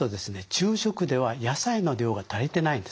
昼食では野菜の量が足りてないんですね。